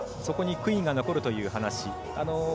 そこに悔いが残るという話。